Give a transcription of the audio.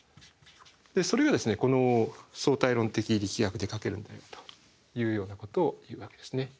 それがこの相対論的力学で書けるんだよというようなことをいうわけですね。